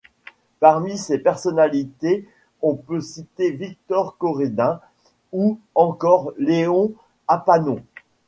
Parmi ces personnalités, on peut citer Victor Coridun ou encore Léon Apanon.